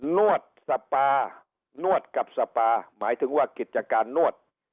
นวดสปานวดกับสปาหมายถึงว่ากิจการนวด